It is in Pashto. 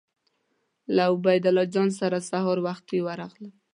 له عبیدالله جان سره سهار وختي ورغلم.